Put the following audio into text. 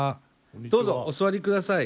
どうぞお座りください。